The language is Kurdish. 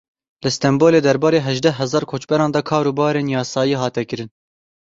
Li Stenbolê derbarê hejdeh hezar koçberan de kar û barên yasayî hate kirin.